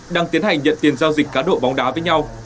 đang tiến hành nhận tiền giao dịch cá độ bóng đá với nhau